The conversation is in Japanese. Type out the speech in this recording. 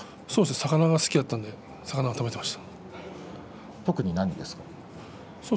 魚が好きだったので魚を食べていました。